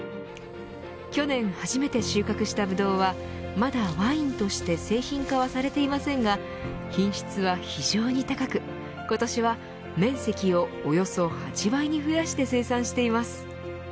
去年初めて収穫したブドウはまだワインとして製品化はされていませんが品質は非常に高く今年は面積をおよそ８倍に増やして生産しています。